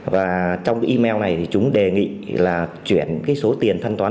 và trong cái email này thì chúng đề nghị là chuyển cái số tiền thanh toán